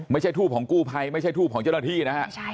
ไม่ใช่ทูบของกู้ภัยไม่ใช่ทูบของเจ้าหน้าที่นะฮะ